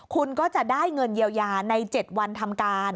คุณก็จะได้เงินเยียวยาใน๗วันทำการ